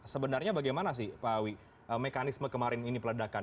sebenarnya bagaimana sih pak awi mekanisme kemarin ini peledakan